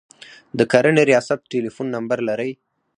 د کرنې ریاست ټلیفون نمبر لرئ؟